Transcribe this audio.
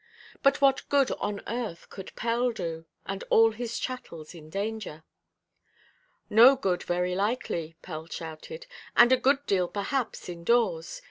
But what good on earth could Pell do, and all his chattels in danger? "No good, very likely," Pell shouted, "and a good deal perhaps in–doors!